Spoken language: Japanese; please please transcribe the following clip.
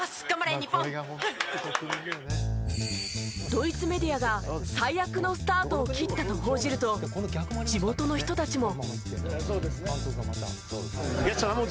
ドイツメディアが最悪のスタートを切ったと報じると地元の人たちも。